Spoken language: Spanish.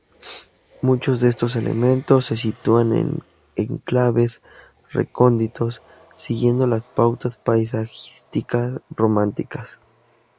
Muchos de estos elementos se sitúan en enclaves recónditos, siguiendo las pautas paisajísticas románticas.